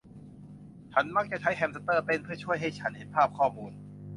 ฉันมักจะใช้แฮมสเตอร์เต้นเพื่อช่วยให้ฉันเห็นภาพข้อมูล